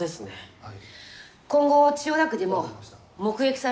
はい。